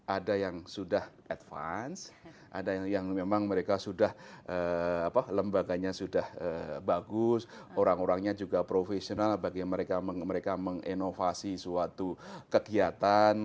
ada yang sudah advance ada yang memang mereka sudah lembaganya sudah bagus orang orangnya juga profesional bagi mereka menginovasi suatu kegiatan